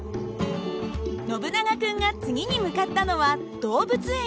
ノブナガ君が次に向かったのは動物園。